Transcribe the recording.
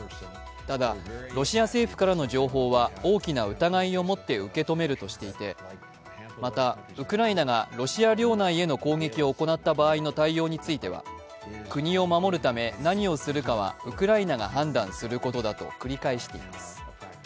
ただ、ロシア政府からの情報は大きな疑いを持って受け止めるとしていて、また、ウクライナがロシア領内への攻撃を行った場合の対応については国を守るため何をするかはウクライナが判断することだと繰り返しています。